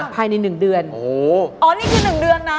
ภายในหนึ่งเดือนโอ้โหอ๋อนี่คือหนึ่งเดือนนะ